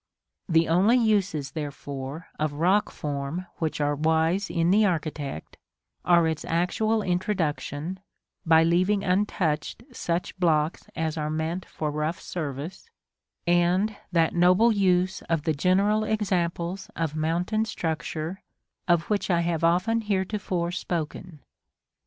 The only uses, therefore, of rock form which are wise in the architect, are its actual introduction (by leaving untouched such blocks as are meant for rough service), and that noble use of the general examples of mountain structure of which I have often heretofore spoken.